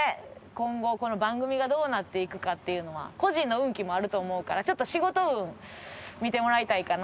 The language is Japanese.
今後この番組がどうなっていくかっていうのは個人の運気もあると思うから仕事運見てもらいたいかなと思いますね。